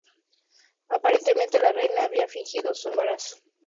Aparentemente la reina había fingido su embarazo, táctica que empleó en diversas ocasiones.